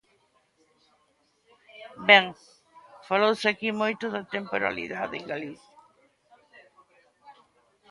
Ben, falouse aquí moito da temporalidade en Galicia.